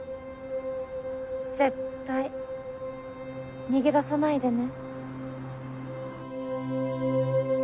絶対逃げ出さないでね。